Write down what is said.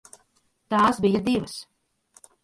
Tās bija divas.